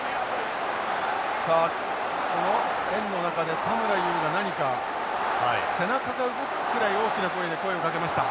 さあこの円の中で田村優が何か背中が動くくらい大きな声で声をかけました。